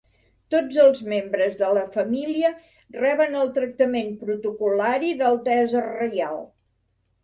Tots els membres de la família reben el tractament protocol·lari d'Altesa Reial.